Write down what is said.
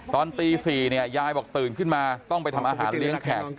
ตอนตี๔เนี่ยยายบอกตื่นขึ้นมาต้องไปทำอาหารเลี้ยงแขก